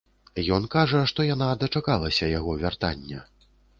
Ён кажа, што яна дачакалася яго вяртання.